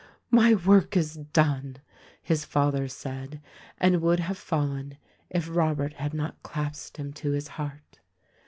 "My work is done," his father said, and would have fallen if Robert had not clasped him to his heart.